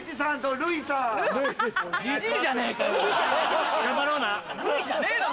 ルイじゃねえだろ！